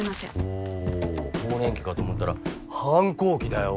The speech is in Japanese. おぉ更年期かと思ったら反抗期だよ。